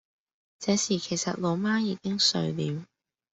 這時其實老媽已經睡了